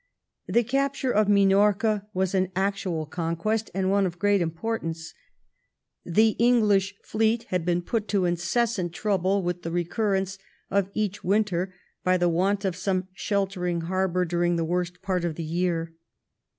The capture of Minorca was an actual conquest, and one of great importance. The English fleets had been put to incessant trouble with the recurrence of each winter by the want of some sheltering harbour during the worst part of the year.